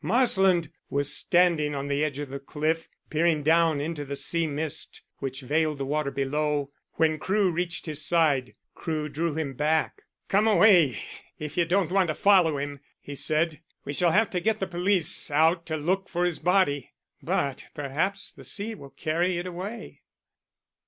Marsland was standing on the edge of the cliff, peering down into the sea mist which veiled the water below, when Crewe reached his side. Crewe drew him back. "Come away if you don't want to follow him," he said. "We shall have to get the police out to look for his body, but perhaps the sea will carry it away."